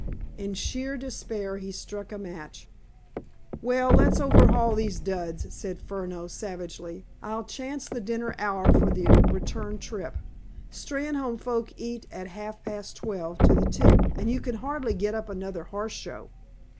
In sheer despair he struck a match. "Well, let's overhaul these duds," said Furneaux savagely. "I'll chance the dinner hour for the return visit. Steynholme folk eat at half past twelve to the tick, and you can hardly get up another horse show."